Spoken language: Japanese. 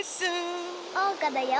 おうかだよ！